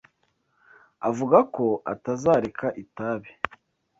Avuga ko atazareka itabi.